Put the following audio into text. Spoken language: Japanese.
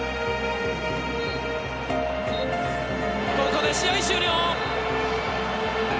ここで試合終了！